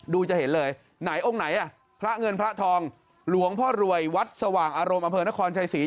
จะเห็นเลยไหนองค์ไหนอ่ะพระเงินพระทองหลวงพ่อรวยวัดสว่างอารมณ์อำเภอนครชัยศรี